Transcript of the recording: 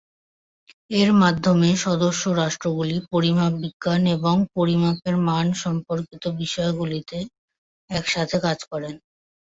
এর মাধ্যমে সদস্য রাষ্ট্রগুলি পরিমাপ বিজ্ঞান এবং পরিমাপের মান সম্পর্কিত বিষয়গুলিতে একসাথে কাজ করেন।